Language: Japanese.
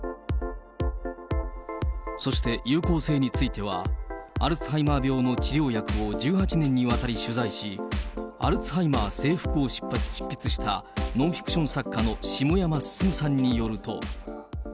そして有効性については、アルツハイマー病の治療薬を１８年にわたり取材し、アルツハイマー征服を執筆した、ノンフィクション作家の下山進さんによると。